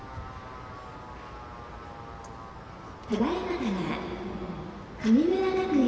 ただいまから神村学園